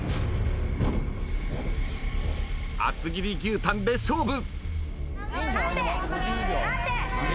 厚切り牛タンで勝負。